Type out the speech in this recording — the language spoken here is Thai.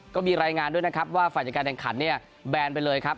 ก็มีรายงานด้วยนะครับว่าฝ่ายจัดการแข่งขันเนี่ยแบนไปเลยครับ